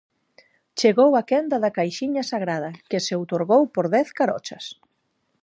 Chegou a quenda da caixiña sagrada, que se outorgou por dez carochas.